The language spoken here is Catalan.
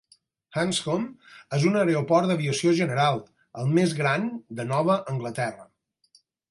Hanscom és un aeroport d'aviació general, el més gran de Nova Anglaterra.